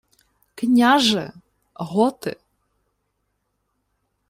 — Княже, готи!